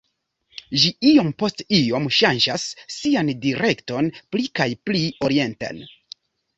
Ĝi iom post iom ŝanĝas sian direkton pli kaj pli orienten.